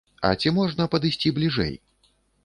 А ці можна падысці бліжэй?